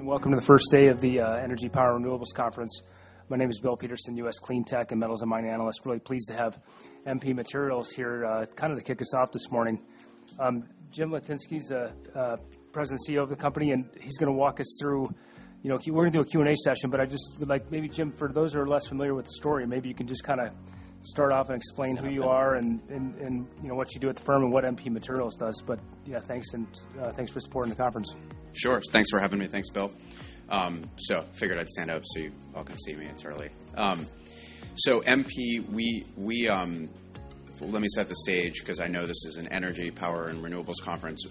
Good morning, and welcome to the first day of the Energy, Power, Renewables Conference. My name is Bill Peterson, U.S. Clean Tech, and Metals & Mining Analyst. Really pleased to have MP Materials here, kind of to kick us off this morning. Jim Litinsky is President and CEO of the company, and he's gonna walk us through... You know, we're gonna do a Q&A session, but I just would like, maybe, Jim, for those who are less familiar with the story, maybe you can just kind of start off and explain who you are and, and, you know, what you do at the firm and what MP Materials does. Yeah, thanks, and thanks for supporting the conference. Sure. Thanks for having me. Thanks, Bill. Figured I'd stand up so you all can see me. It's early. MP, let me set the stage, because I know this is an energy, power, and renewables conference.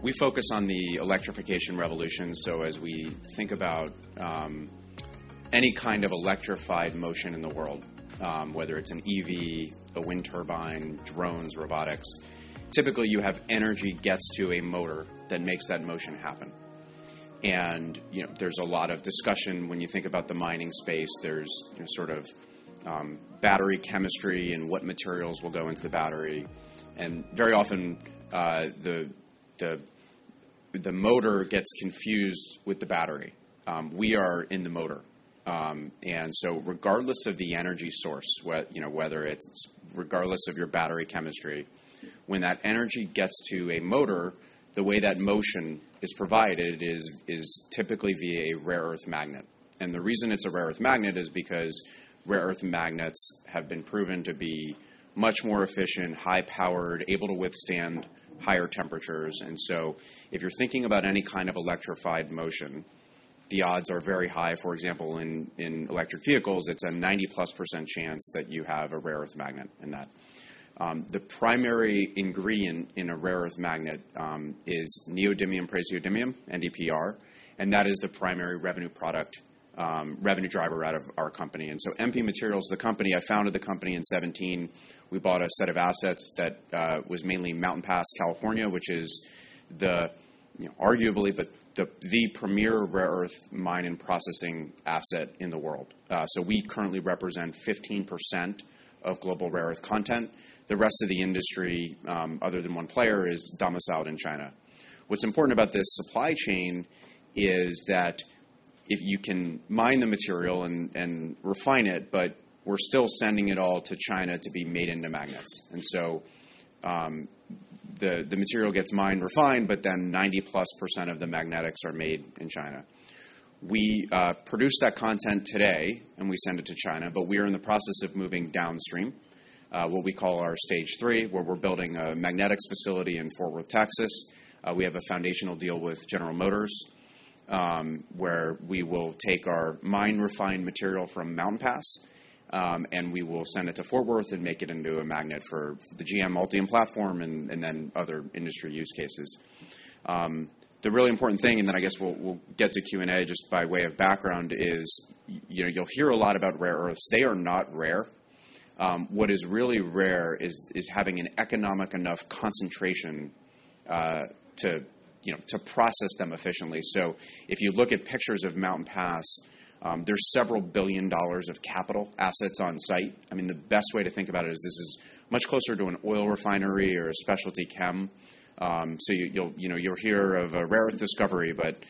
We focus on the electrification revolution. As we think about any kind of electrified motion in the world, whether it's an EV, a wind turbine, drones, robotics, typically, you have energy gets to a motor that makes that motion happen. You know, there's a lot of discussion when you think about the mining space. There's sort of battery chemistry and what materials will go into the battery, and very often, the motor gets confused with the battery. We are in the motor. Regardless of the energy source, you know, regardless of your battery chemistry, when that energy gets to a motor, the way that motion is typically via a rare earth magnet. The reason it's a rare earth magnet is because rare earth magnets have been proven to be much more efficient, high-powered, able to withstand higher temperatures. If you're thinking about any kind of electrified motion, the odds are very high. For example, in electric vehicles, it's a 90%-plus chance that you have a rare earth magnet in that. The primary ingredient in a rare earth magnet is neodymium-praseodymium, NdPr, and that is the primary revenue product, revenue driver out of our company. MP Materials, the company, I founded the company in '17. We bought a set of assets that was mainly Mountain Pass, California, which is the, arguably, the premier rare earth mine and processing asset in the world. We currently represent 15% of global rare earth content. The rest of the industry, other than one player, is domiciled in China. What's important about this supply chain is that if you can mine the material and refine it, but we're still sending it all to China to be made into magnets. The material gets mined, refined, but then 90%+ of the magnetics are made in China. We produce that content today, and we send it to China, but we are in the process of moving downstream, what we call our stage three, where we're building a magnetics facility in Fort Worth, Texas. We have a foundational deal with General Motors, where we will take our mine-refined material from Mountain Pass, and we will send it to Fort Worth and make it into a magnet for the GM Ultium Platform and then other industry use cases. The really important thing, and then I guess we'll get to Q&A, just by way of background, is, you know, you'll hear a lot about rare earths. They are not rare. What is really rare is having an economic enough concentration, to, you know, to process them efficiently. If you look at pictures of Mountain Pass, there's several billion dollars of capital assets on site. I mean, the best way to think about it is this is much closer to an oil refinery or a specialty chem. You know, you'll hear of a rare earth discovery, but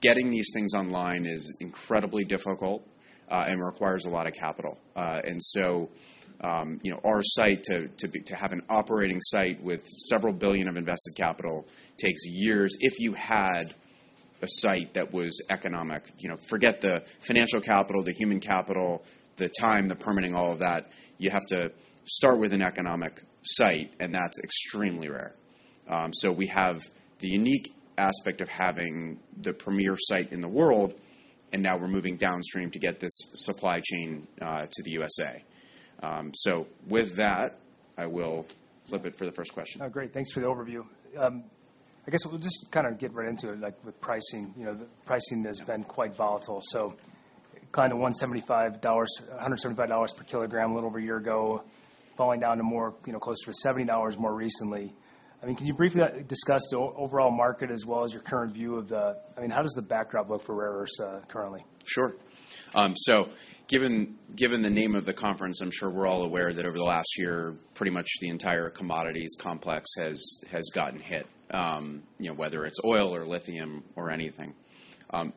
getting these things online is incredibly difficult and requires a lot of capital. You know, our site, to have an operating site with several billion of invested capital takes years. If you had a site that was economic, you know, forget the financial capital, the human capital, the time, the permitting, all of that, you have to start with an economic site, and that's extremely rare. We have the unique aspect of having the premier site in the world, and now we're moving downstream to get this supply chain to the USA. With that, I will flip it for the first question. Oh, great. Thanks for the overview. I guess we'll just kind of get right into it, like with pricing. You know, the pricing has been quite volatile, so kind of $175 per kg a little over a year ago, falling down to more, you know, closer to $70 more recently. I mean, can you briefly discuss the overall market? I mean, how does the backdrop look for rare earths, currently? Sure. Given the name of the conference, I'm sure we're all aware that over the last year, pretty much the entire commodities complex has gotten hit, you know, whether it's oil or lithium or anything.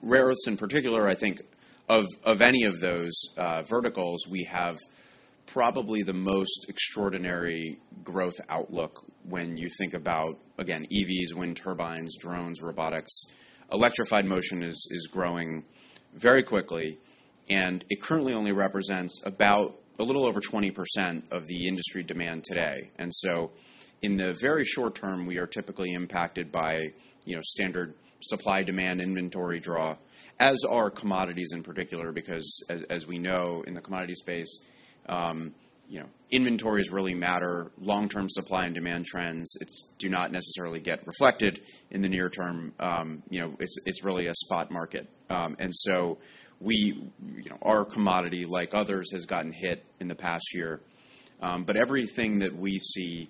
Rare earths in particular, I think, of any of those verticals, we have probably the most extraordinary growth outlook when you think about, again, EVs, wind turbines, drones, robotics. Electrified motion is growing very quickly, and it currently only represents about a little over 20% of the industry demand today. In the very short term, we are typically impacted by, you know, standard supply-demand inventory draw, as are commodities in particular, because as we know in the commodity space, you know, inventories really matter. Long-term supply and demand trends do not necessarily get reflected in the near term. You know, it's really a spot market. We, you know, our commodity, like others, has gotten hit in the past year. Everything that we see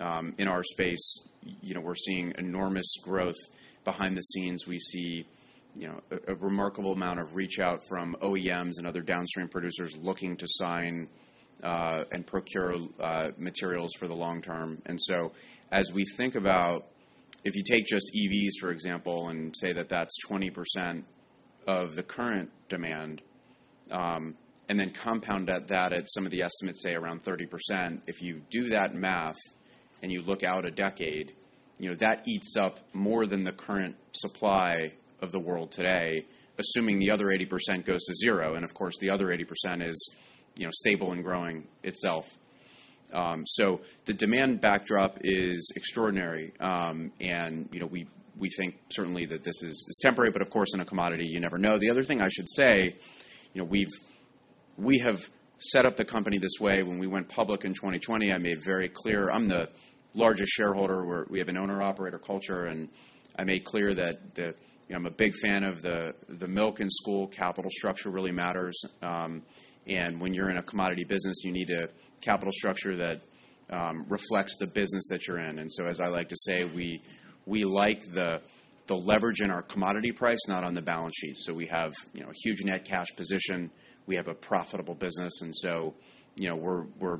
in our space, you know, we're seeing enormous growth. Behind the scenes, we see you know, a remarkable amount of reach out from OEMs and other downstream producers looking to sign and procure materials for the long term. As we think about if you take just EVs, for example, and say that that's 20% of the current demand, and then compound that at some of the estimates, say, around 30%, if you do that math and you look out a decade, you know, that eats up more than the current supply of the world today, assuming the other 80% goes to zero. Of course, the other 80% is, you know, stable and growing itself. The demand backdrop is extraordinary. You know, we think certainly that this is, it's temporary, but of course, in a commodity, you never know. The other thing I should say, you know, we have set up the company this way. When we went public in 2020, I made very clear... I'm the largest shareholder, we have an owner-operator culture, and I made clear that the, you know, I'm a big fan of the milk in school capital structure really matters. When you're in a commodity business, you need a capital structure that reflects the business that you're in. As I like to say, we like the leverage in our commodity price, not on the balance sheet. We have, you know, a huge net cash position. We have a profitable business, you know, we're,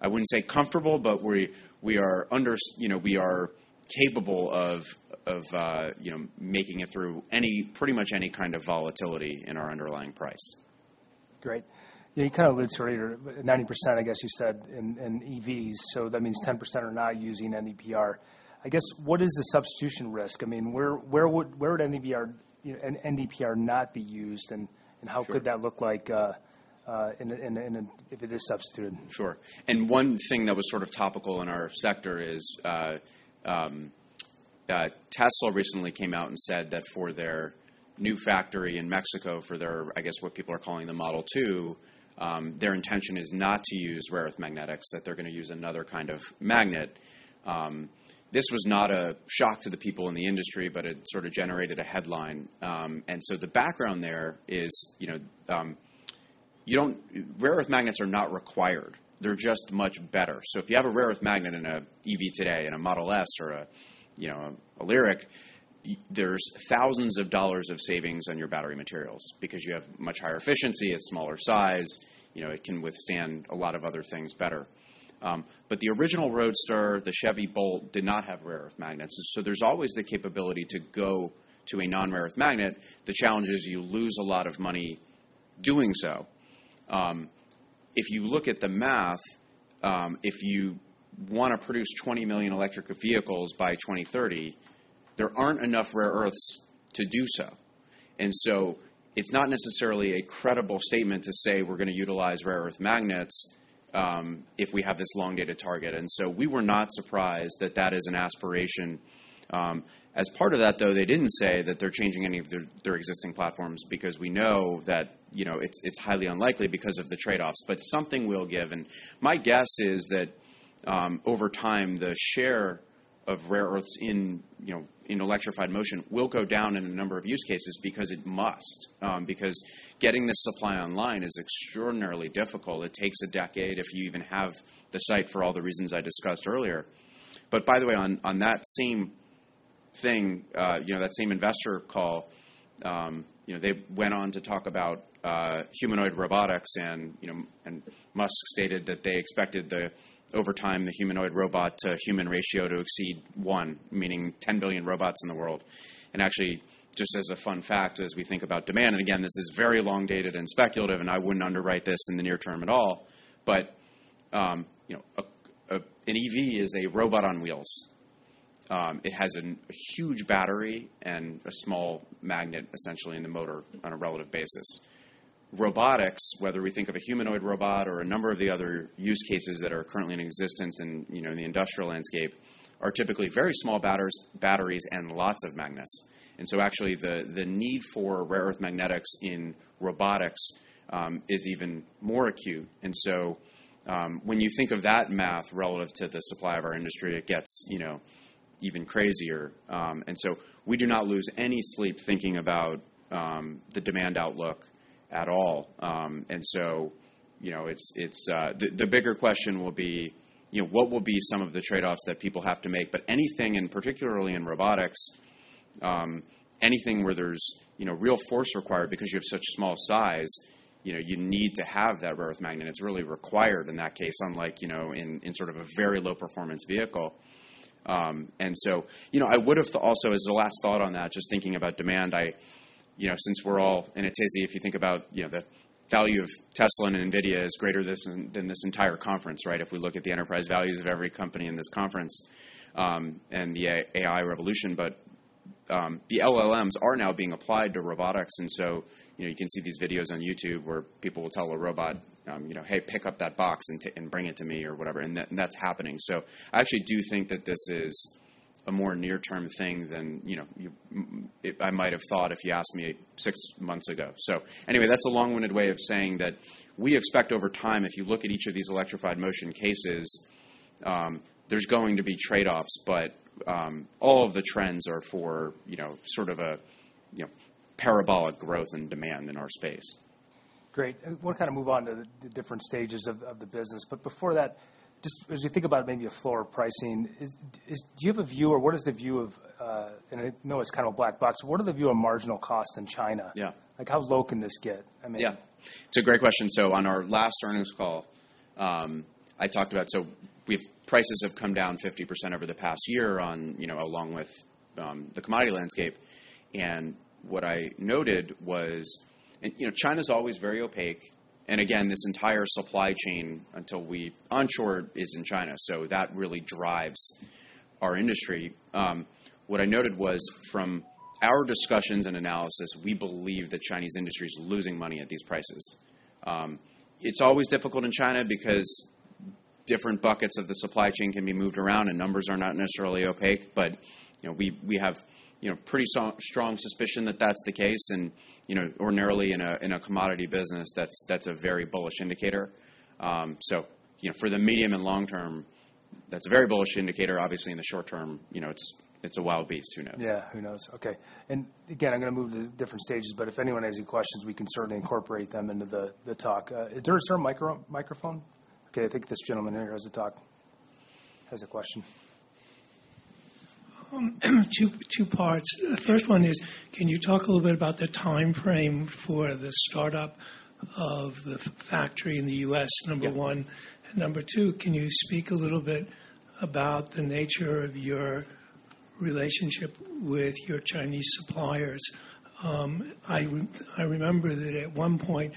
I wouldn't say comfortable, but we are, you know, capable of, you know, making it through pretty much any kind of volatility in our underlying price. Great. Yeah, you kind of allude to it earlier, 90%, I guess you said, in EVs, so that means 10% are not using NdPr. I guess, what is the substitution risk? I mean, where would NdPr, you know, NdPr not be used? Sure. How could that look like, in a, if it is substituted? Sure. One thing that was sort of topical in our sector is Tesla recently came out and said that for their new factory in Mexico, for their, I guess, what people are calling the Model 2, their intention is not to use rare earth magnetics, that they're going to use another kind of magnet. This was not a shock to the people in the industry, but it sort of generated a headline. The background there is, you know, rare earth magnets are not required, they're just much better. If you have a rare earth magnet in a EV today, in a Model S or a, you know, a LYRIQ, there's $thousands of savings on your battery materials because you have much higher efficiency, it's smaller size, you know, it can withstand a lot of other things better. But the original Roadster, the Chevy Bolt, did not have rare earth magnets. There's always the capability to go to a non-rare earth magnet. The challenge is you lose a lot of money doing so. If you look at the math, if you want to produce 20 million electric vehicles by 2030, there aren't enough rare earths to do so. It's not necessarily a credible statement to say we're going to utilize rare earth magnets, if we have this long-dated target. We were not surprised that that is an aspiration. As part of that, though, they didn't say that they're changing any of their existing platforms because we know that, you know, it's highly unlikely because of the trade-offs. Something will give, and my guess is that over time, the share of rare earths in, you know, in electrified motion will go down in a number of use cases because it must, because getting the supply online is extraordinarily difficult. It takes a decade, if you even have the site, for all the reasons I discussed earlier. By the way, on that same thing, you know, that same investor call, you know, they went on to talk about humanoid robotics, and you know, Musk stated that they expected the, over time, the humanoid robot to human ratio to exceed one, meaning 10 billion robots in the world. Actually, just as a fun fact, as we think about demand, and again, this is very long-dated and speculative, and I wouldn't underwrite this in the near term at all. You know, an EV is a robot on wheels. It has a huge battery and a small magnet, essentially, in the motor on a relative basis. Robotics, whether we think of a humanoid robot or a number of the other use cases that are currently in existence in, you know, the industrial landscape, are typically very small batteries and lots of magnets. Actually, the need for rare earth magnetics in robotics is even more acute. When you think of that math relative to the supply of our industry, it gets, you know, even crazier. We do not lose any sleep thinking about the demand outlook at all. You know, it's... The bigger question will be, you know, what will be some of the trade-offs that people have to make? Anything, and particularly in robotics, anything where there's, you know, real force required, because you have such a small size, you know, you need to have that rare earth magnet. It's really required in that case, unlike, you know, in sort of a very low-performance vehicle. You know, I would've also, as a last thought on that, just thinking about demand, you know, since we're all in a tizzy, if you think about, you know, the value of Tesla and NVIDIA is greater than this, than this entire conference, right? If we look at the enterprise values of every company in this conference, and the AI revolution. The LLMs are now being applied to robotics, and so, you know, you can see these videos on YouTube where people will tell a robot, "You know, hey, pick up that box and bring it to me," or whatever, and that's happening. I actually do think that this is a more near-term thing than I might have thought if you asked me six months ago. Anyway, that's a long-winded way of saying that we expect over time, if you look at each of these electrified motion cases, there's going to be trade-offs, but all of the trends are for sort of a parabolic growth in demand in our space. Great. We'll kind of move on to the different stages of the business. Before that, just as you think about maybe a floor of pricing, do you have a view. I know it's kind of a black box. What are the view of marginal costs in China? Yeah. Like, how low can this get? I mean... Yeah, it's a great question. On our last earnings call, prices have come down 50% over the past year on, you know, along with the commodity landscape. What I noted was, and, you know, China's always very opaque, and again, this entire supply chain, until we onshore, is in China, so that really drives our industry. What I noted was, from our discussions and analysis, we believe the Chinese industry is losing money at these prices. It's always difficult in China because different buckets of the supply chain can be moved around, and numbers are not necessarily opaque. You know, we have, you know, pretty strong suspicion that that's the case. You know, ordinarily, in a commodity business, that's a very bullish indicator. You know, for the medium and long term, that's a very bullish indicator. Obviously, in the short term, you know, it's a wild beast. Who knows? Yeah, who knows? Okay. Again, I'm going to move to different stages, but if anyone has any questions, we can certainly incorporate them into the talk. Is there a certain microphone? Okay, I think this gentleman here has a question. Two parts. The first one is, can you talk a little bit about the time frame for the startup of the factory in the U.S., number one? Yeah. Number two, can you speak a little bit about the nature of your relationship with your Chinese suppliers? I remember that at one point,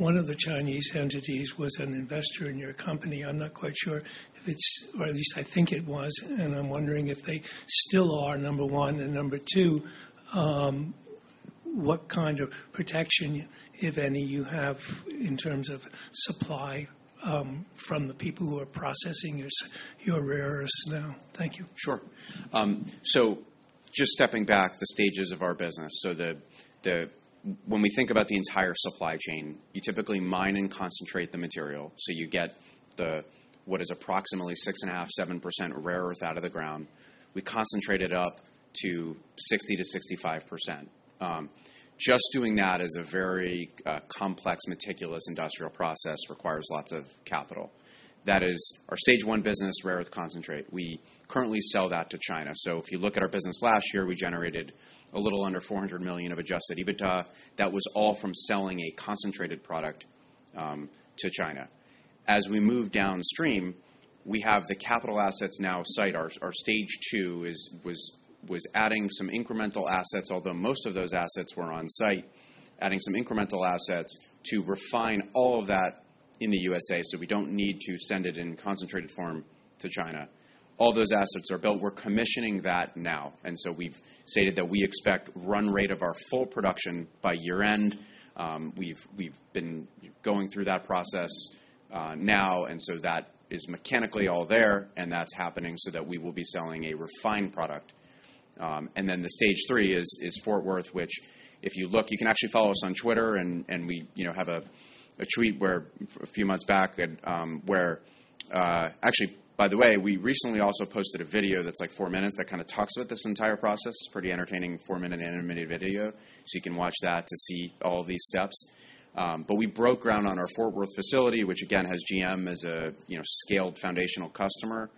one of the Chinese entities was an investor in your company. I'm not quite sure if it's or at least I think it was, and I'm wondering if they still are, number one. Number two, what kind of protection, if any, you have in terms of supply, from the people who are processing your rare earths now? Thank you. Sure. Just stepping back the stages of our business. When we think about the entire supply chain, you typically mine and concentrate the material, so you get the, what is approximately 6.5%, 7% rare earth out of the ground. We concentrate it up to 60% to 65%. Just doing that is a very complex, meticulous industrial process, requires lots of capital. That is our stage one business, rare earth concentrate. We currently sell that to China. If you look at our business last year, we generated a little under $400 million of Adjusted EBITDA. That was all from selling a concentrated product to China. As we move downstream, we have the capital assets now site. Our stage two was adding some incremental assets, although most of those assets were on site, adding some incremental assets to refine all of that in the USA, so we don't need to send it in concentrated form to China. All those assets are built. We're commissioning that now. We've stated that we expect run rate of our full production by year-end. We've been going through that process, now. That is mechanically all there, and that's happening so that we will be selling a refined product. Then the stage three is Fort Worth, which if you look, you can actually follow us on Twitter, and we, you know, have a tweet where a few months back, where... Actually, by the way, we recently also posted a video that's, like, four minutes that kind of talks about this entire process. Pretty entertaining four minute animated video. You can watch that to see all these steps. We broke ground on our Fort Worth facility, which again, has GM as a, you know, scaled foundational customer.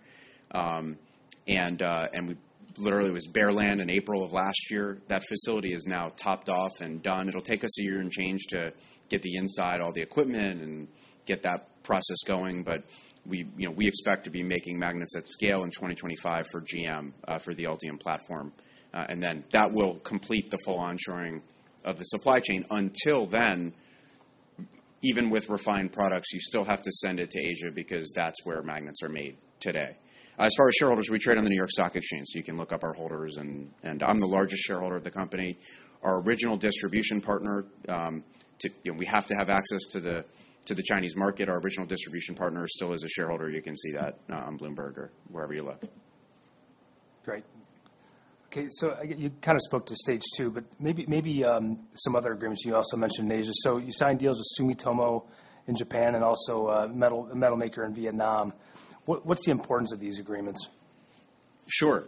Literally was bare land in April of last year. That facility is now topped off and done. It'll take us a year and change to get the inside, all the equipment and get that process going, but we, you know, we expect to be making magnets at scale in 2025 for GM, for the Ultium Platform. Then that will complete the full onshoring of the supply chain. Until then, even with refined products, you still have to send it to Asia, because that's where magnets are made today. As far as shareholders, we trade on the New York Stock Exchange, you can look up our holders, and I'm the largest shareholder of the company. Our original distribution partner, you know, we have to have access to the, to the Chinese market. Our original distribution partner still is a shareholder. You can see that on Bloomberg or wherever you look. Great. Okay, you kind of spoke to stage two, but maybe, some other agreements. You also mentioned Asia. You signed deals with Sumitomo in Japan and also a metal maker in Vietnam. What's the importance of these agreements? Sure.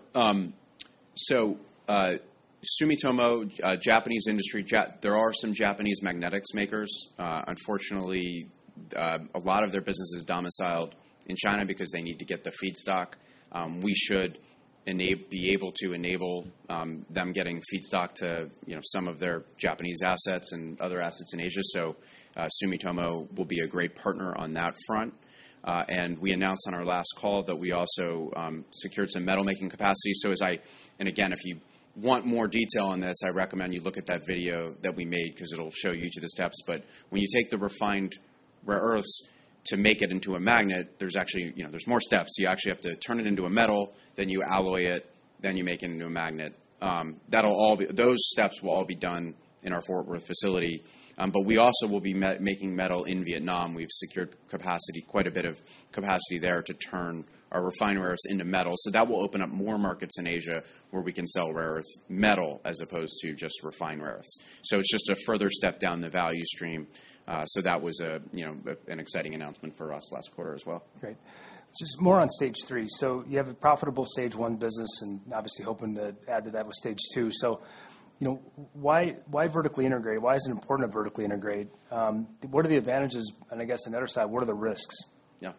Sumitomo, Japanese industry there are some Japanese magnetics makers. Unfortunately, a lot of their business is domiciled in China because they need to get the feedstock. We should be able to enable them getting feedstock to, you know, some of their Japanese assets and other assets in Asia. Sumitomo will be a great partner on that front. We announced on our last call that we also secured some metalmaking capacity. As I again, if you want more detail on this, I recommend you look at that video that we made, 'cause it'll show you to the steps. When you take the refined rare earths to make it into a magnet, there's actually, you know, there's more steps. You actually have to turn it into a metal, then you alloy it, then you make it into a magnet. Those steps will all be done in our Fort Worth facility. We also will be making metal in Vietnam. We've secured capacity, quite a bit of capacity there to turn our refined rare earths into metal. That will open up more markets in Asia, where we can sell rare earth metal as opposed to just refined rare earths. It's just a further step down the value stream. That was a, you know, an exciting announcement for us last quarter as well. Great. Just more on stage three. You have a profitable stage one business, and obviously hoping to add to that with stage two. You know, why vertically integrate? Why is it important to vertically integrate? What are the advantages? I guess on the other side, what are the risks? Yeah.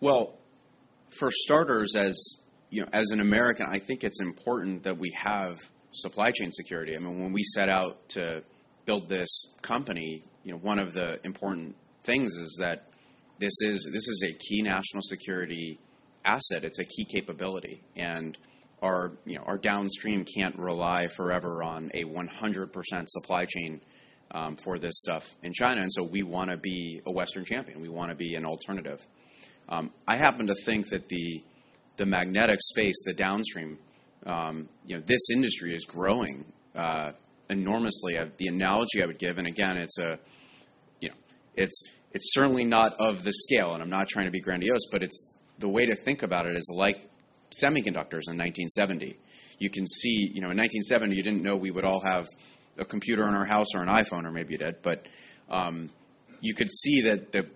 Well, for starters, as, you know, as an American, I think it's important that we have supply chain security. I mean, when we set out to build this company, you know, one of the important things is that this is a key national security asset. It's a key capability, and our, you know, our downstream can't rely forever on a 100% supply chain for this stuff in China. We wanna be a Western champion. We wanna be an alternative. I happen to think that the magnetic space, the downstream, you know, this industry is growing enormously. The analogy I would give, and again, it's, you know, it's certainly not of the scale, and I'm not trying to be grandiose, but the way to think about it is like semiconductors in 1970. You know, in 1970, you didn't know we would all have a computer in our house or an iPhone, or maybe you did, but you could see that the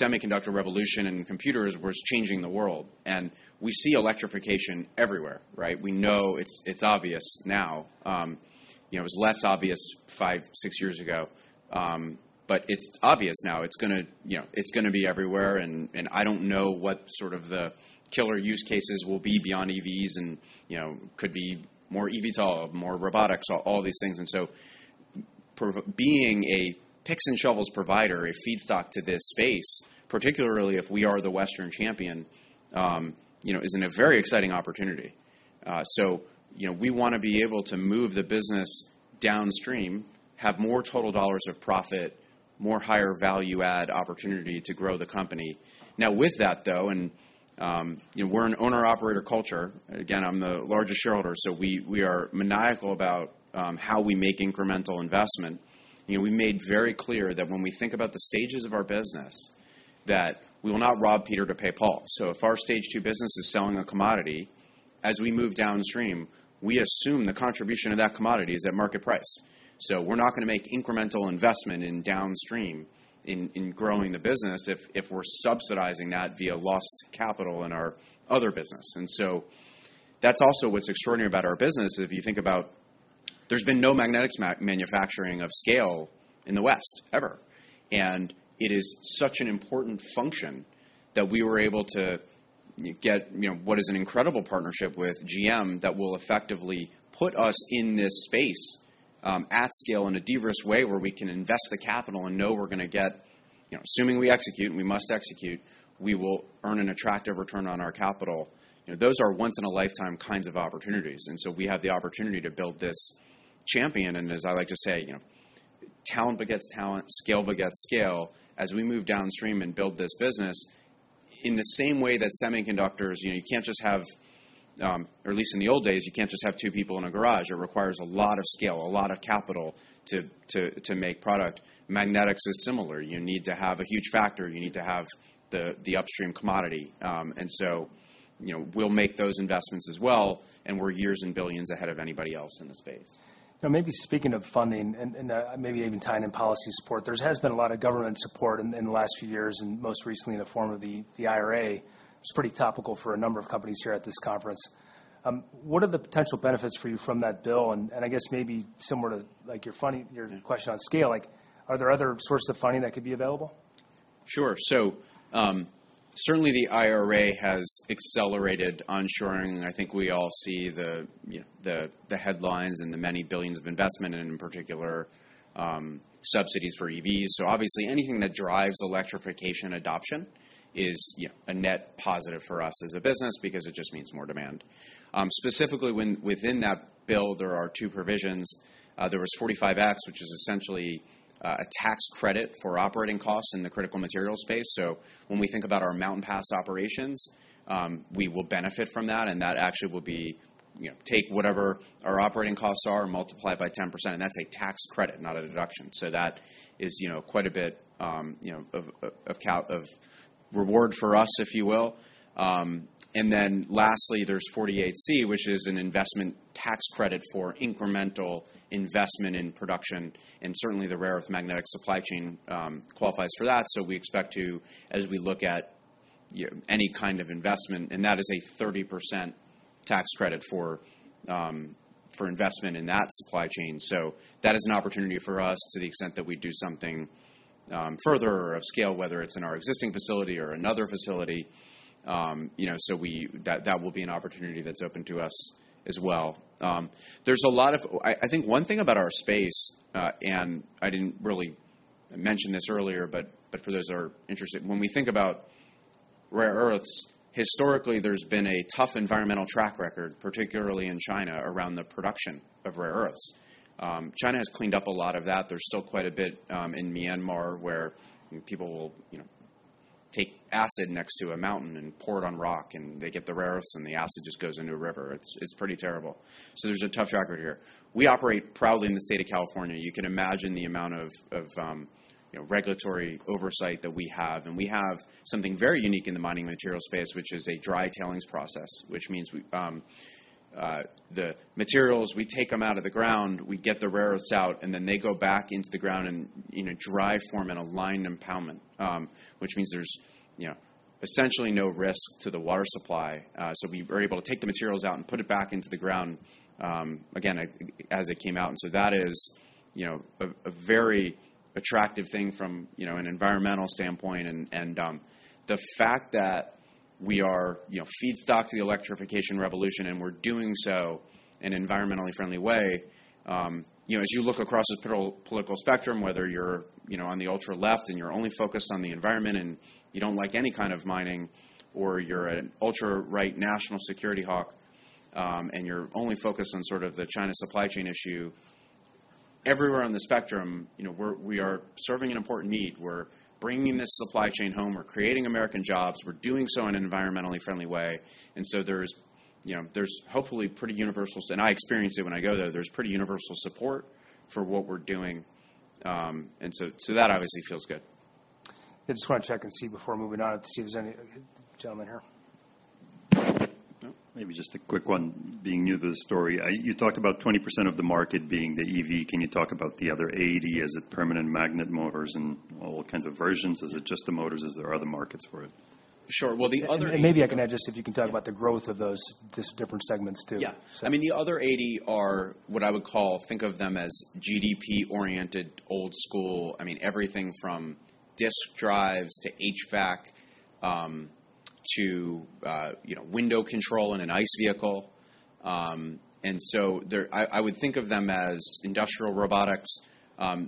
semiconductor revolution and computers was changing the world, and we see electrification everywhere, right? We know it's obvious now. You know, it was less obvious five, six years ago, but it's obvious now. It's gonna, you know, it's gonna be everywhere, and I don't know what sort of the killer use cases will be beyond EVs and, you know, could be more EVTOL, more robotics, all these things. Being a picks and shovels provider, a feedstock to this space, particularly if we are the Western champion, you know, is a very exciting opportunity. You know, we wanna be able to move the business downstream, have more total dollars of profit, more higher value add opportunity to grow the company. Now, with that, though, you know, we're an owner-operator culture. Again, I'm the largest shareholder, we are maniacal about how we make incremental investment. You know, we made very clear that when we think about the stages of our business, that we will not rob Peter to pay Paul. If our stage two business is selling a commodity, as we move downstream, we assume the contribution of that commodity is at market price. We're not gonna make incremental investment in downstream in growing the business if we're subsidizing that via lost capital in our other business. That's also what's extraordinary about our business. If you think about... There's been no magnetics manufacturing of scale in the West, ever. It is such an important function that we were able to get, you know, what is an incredible partnership with GM that will effectively put us in this space at scale in a de-risk way, where we can invest the capital and know we're gonna get. You know, assuming we execute, and we must execute, we will earn an attractive return on our capital. You know, those are once-in-a-lifetime kinds of opportunities. We have the opportunity to build this champion. As I like to say, you know, talent begets talent, scale begets scale. As we move downstream and build this business, in the same way that semiconductors, you know, or at least in the old days, you can't just have two people in a garage. It requires a lot of scale, a lot of capital to make product. Magnetics is similar. You need to have a huge factor. You need to have the upstream commodity. You know, we'll make those investments as well, and we're years and billions ahead of anybody else in the space. Maybe speaking of funding and, maybe even tying in policy support, there has been a lot of government support in the last few years, and most recently in the form of the IRA. It's pretty topical for a number of companies here at this conference. What are the potential benefits for you from that bill? I guess maybe similar to, like, your funding, your question on scale, like, are there other sources of funding that could be available? Sure. Certainly the IRA has accelerated onshoring, and I think we all see the, you know, the headlines and the many billions of investment in particular, subsidies for EVs. Obviously anything that drives electrification adoption is, you know, a net positive for us as a business because it just means more demand. Specifically, within that bill, there are two provisions. There was 45x, which is essentially a tax credit for operating costs in the critical materials space. When we think about our Mountain Pass operations, we will benefit from that, and that actually will be, you know, take whatever our operating costs are and multiply it by 10%, and that's a tax credit, not a deduction. That is, you know, quite a bit, you know, of reward for us, if you will. Then lastly, there's 48C, which is an investment tax credit for incremental investment in production, and certainly the rare earth magnetic supply chain qualifies for that. We expect to, as we look at, you know, any kind of investment, and that is a 30% tax credit for investment in that supply chain. That is an opportunity for us to the extent that we do something further of scale, whether it's in our existing facility or another facility. You know, that will be an opportunity that's open to us as well. There's a lot of... I think one thing about our space, I didn't really mention this earlier, but for those that are interested, when we think about rare earths, historically, there's been a tough environmental track record, particularly in China, around the production of rare earths. China has cleaned up a lot of that. There's still quite a bit in Myanmar, where people will, you know, take acid next to a mountain and pour it on rock, they get the rare earths, and the acid just goes into a river. It's pretty terrible. There's a tough track record here. We operate proudly in the state of California. You can imagine the amount of, you know, regulatory oversight that we have. We have something very unique in the mining material space, which is a dry tailings process, which means we, the materials, we take them out of the ground, we get the rare earths out, and then they go back into the ground and in a dry form, in a lined impoundment. Which means there's, you know, essentially no risk to the water supply. We were able to take the materials out and put it back into the ground again, as it came out. That is, you know, a very attractive thing from, you know, an environmental standpoint. The fact that we are, you know, feedstock to the electrification revolution, and we're doing so in an environmentally friendly way. You know, as you look across the political spectrum, whether you're, you know, on the ultra left and you're only focused on the environment and you don't like any kind of mining, or you're an ultra right national security hawk, and you're only focused on sort of the China supply chain issue, everywhere on the spectrum, you know, we are serving an important need. We're bringing this supply chain home, we're creating American jobs. We're doing so in an environmentally friendly way. There's, you know, there's hopefully pretty universal, and I experience it when I go there's pretty universal support for what we're doing. So that obviously feels good. I just want to check and see before moving on, to see if there's any... gentleman here. Maybe just a quick one. Being new to the story, you talked about 20% of the market being the EV. Can you talk about the other 80? Is it permanent magnet motors and all kinds of versions? Is it just the motors, is there other markets for it? Sure. Well, the other- Maybe I can add, just if you can talk about the growth of those, these different segments, too. Yeah. I mean, the other 80 are what I would call, think of them as GDP-oriented, old school. I mean, everything from disk drives to HVAC, to, you know, window control in an ICE vehicle. I would think of them as industrial robotics.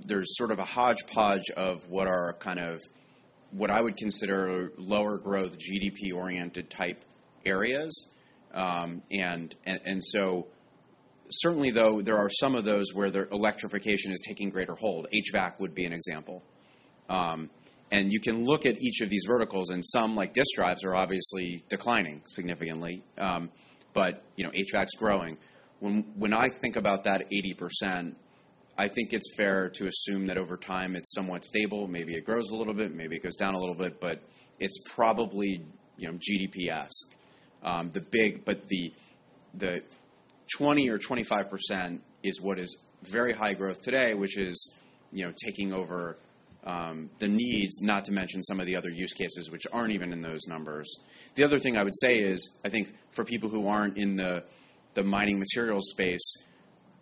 There's sort of a hodgepodge of what are kind of what I would consider lower growth, GDP-oriented type areas. Certainly, though, there are some of those where their electrification is taking greater hold. HVAC would be an example. You can look at each of these verticals, and some, like disk drives, are obviously declining significantly. You know, HVAC's growing. When I think about that 80%, I think it's fair to assume that over time it's somewhat stable. Maybe it grows a little bit, maybe it goes down a little bit, but it's probably, you know, GDP-esque. The 20 or 25% is what is very high growth today, which is, you know, taking over the needs, not to mention some of the other use cases which aren't even in those numbers. The other thing I would say is, I think for people who aren't in the mining materials space,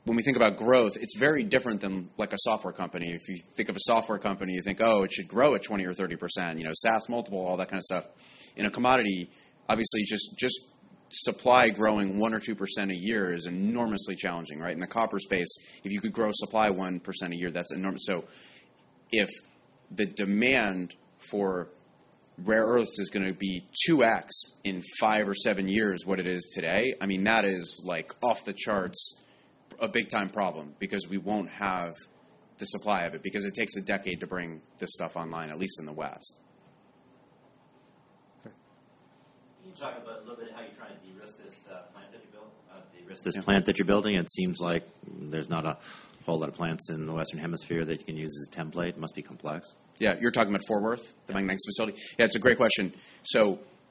when we think about growth, it's very different than like a software company. If you think of a software company, you think, "Oh, it should grow at 20 or 30%." You know, SaaS, multiple, all that kind of stuff. In a commodity, obviously, just supply growing 1 or 2% a year is enormously challenging, right? In the copper space, if you could grow supply 1% a year, that's enormous. If the demand for rare earths is going to be 2x in five or seven years, what it is today, I mean, that is like off the charts, a big time problem, because we won't have the supply of it, because it takes a decade to bring this stuff online, at least in the West. Okay. Can you talk about a little bit how you're trying to de-risk this plant that you built, This plant that you're building, it seems like there's not a whole lot of plants in the Western Hemisphere that you can use as a template. It must be complex? You're talking about Fort Worth, the magnetics facility? It's a great question.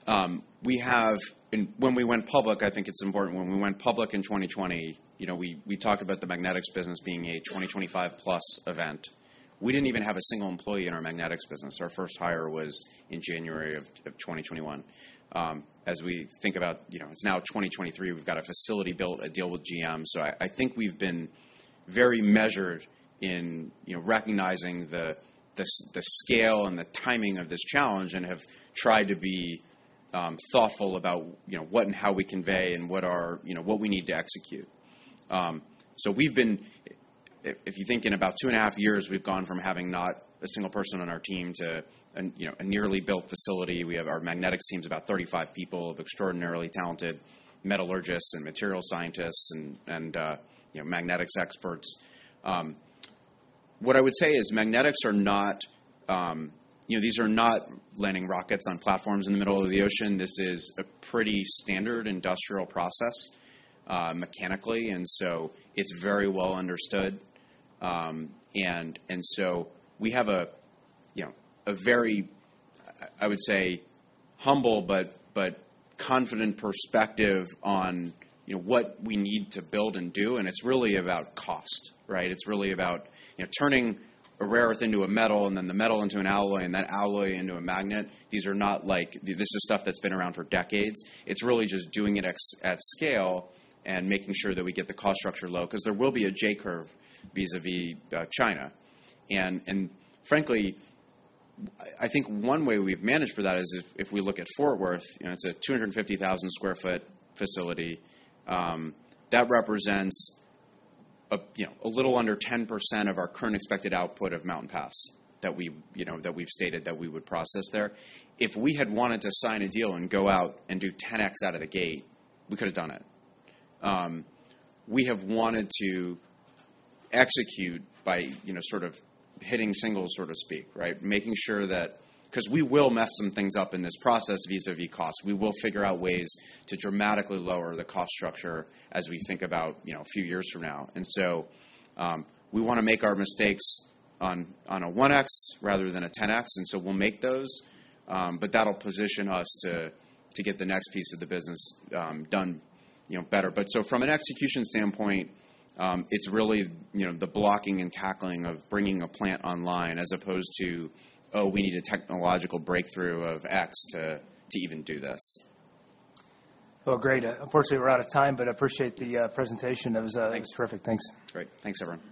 When we went public, I think it's important, when we went public in 2020, you know, we talked about the magnetics business being a 2025 plus event. We didn't even have a single employee in our magnetics business. Our first hire was in January of 2021. As we think about, you know, it's now 2023, we've got a facility built, a deal with GM. I think we've been very measured in, you know, recognizing the scale and the timing of this challenge, and have tried to be thoughtful about, you know, what and how we convey and what we need to execute. We've been. If you think in about two and a half years, we've gone from having not a single person on our team to a, you know, nearly built facility. We have our magnetics team is about 35 people of extraordinarily talented metallurgists and material scientists and, you know, magnetics experts. What I would say is magnetics are not, you know, these are not landing rockets on platforms in the middle of the ocean. This is a pretty standard industrial process, mechanically, so it's very well understood. So we have a, you know, very, I would say, humble but confident perspective on, you know, what we need to build and do. It's really about cost, right? It's really about, you know, turning a rare earth into a metal, and then the metal into an alloy, and that alloy into a magnet. These are not this is stuff that's been around for decades. It's really just doing it at scale and making sure that we get the cost structure low, because there will be a J-curve vis-à-vis China. Frankly, I think one way we've managed for that is if we look at Fort Worth, you know, it's a 250,000 sq ft facility that represents a, you know, a little under 10% of our current expected output of Mountain Pass, that we've, you know, stated that we would process there. If we had wanted to sign a deal and go out and do 10x out of the gate, we could have done it. We have wanted to execute by, you know, sort of hitting singles, so to speak, right? Making sure that... 'Cause we will mess some things up in this process, vis-à-vis costs. We will figure out ways to dramatically lower the cost structure as we think about, you know, a few years from now. We wanna make our mistakes on a 1x rather than a 10x, and so we'll make those. But that'll position us to get the next piece of the business, done, you know, better. From an execution standpoint, it's really, you know, the blocking and tackling of bringing a plant online as opposed to, oh, we need a technological breakthrough of X to even do this. Well, great. Unfortunately, we're out of time, but I appreciate the presentation. Thanks. It was terrific. Thanks. Great. Thanks, everyone.